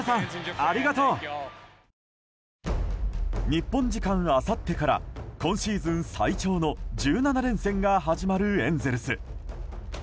日本時間あさってから今シーズン最長の１７連戦が始まるエンゼルス。